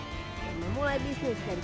yang memulai bisnis dari